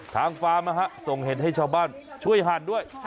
ทางฟาร์มค่ะส่งเห็ดให้ชาวบ้านช่วยหัดด้วย